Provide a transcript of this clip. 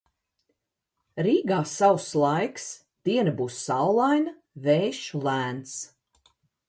Rīgā sauss laiks, diena būs saulaina, vējš lēns.